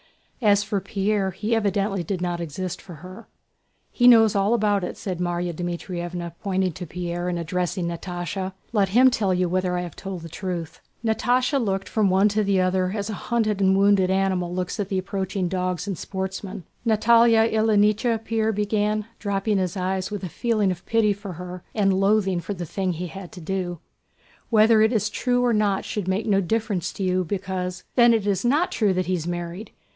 As for Pierre, he evidently did not exist for her. "He knows all about it," said Márya Dmítrievna pointing to Pierre and addressing Natásha. "Let him tell you whether I have told the truth." Natásha looked from one to the other as a hunted and wounded animal looks at the approaching dogs and sportsmen. "Natálya Ilyníchna," Pierre began, dropping his eyes with a feeling of pity for her and loathing for the thing he had to do, "whether it is true or not should make no difference to you, because..." "Then it is not true that he's married!"